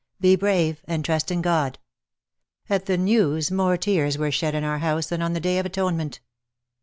Be brave and trust in God." At the news more tears were shed in our house than on the Day of Atonement.